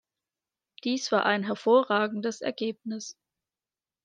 Dies war ein hervorragendes Ergebnis.